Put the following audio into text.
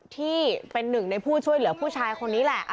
ที่เป็นหนึ่งในผู้ช่วยเหลือผู้ชายคนนี้แหละ